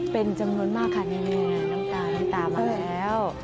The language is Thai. เป็นจำนวนมากค่ะนี่น้ำตาน้ำตามาแล้ว